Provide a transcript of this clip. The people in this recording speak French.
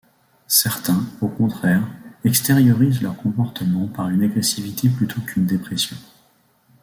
Certains, au contraire, extériorisent leur comportement par une agressivité plutôt qu’une dépression.